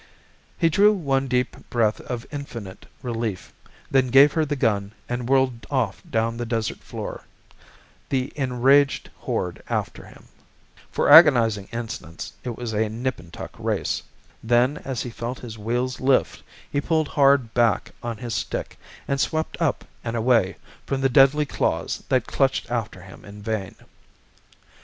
He drew one deep breath of infinite relief, then gave her the gun and whirled off down the desert floor, the enraged horde after him. For agonizing instants it was a nip and tuck race. Then as he felt his wheels lift, he pulled hard back on his stick, and swept up and away from the deadly claws that clutched after him in vain.